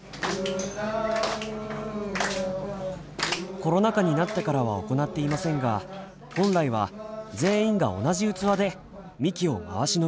コロナ禍になってからは行っていませんが本来は全員が同じ器でみきを回し飲みします。